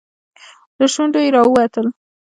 له شونډو يې راووتل.